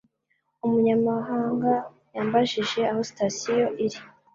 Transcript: Umunyamahanga yambajije aho sitasiyo iri.